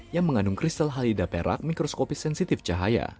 yang mengandung kristal halidaperak mikroskopis sensitif cahaya